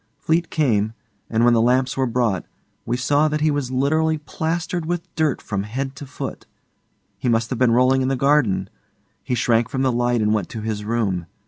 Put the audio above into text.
Fleete came, and when the lamps were brought, we saw that he was literally plastered with dirt from head to foot. He must have been rolling in the garden. He shrank from the light and went to his room.